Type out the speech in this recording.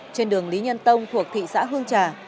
trên đường lý nhân tông thuộc thị xã hương trà